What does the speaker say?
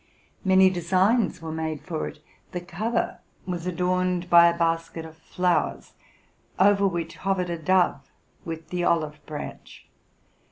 Many designs were made for it: the cover was adorned by a basket of flowers, over which hovered a dove with the olive branch.